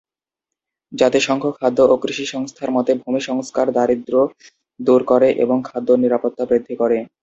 জাতিসংঘ খাদ্য ও কৃষি সংস্থার মতে ভূমি সংস্কার দারিদ্র দূর করে এবং খাদ্য নিরাপত্তা বৃদ্ধি করে।